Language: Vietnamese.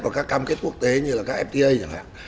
và các cam kết quốc tế như là các fta